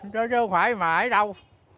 nó không phải mãi đâu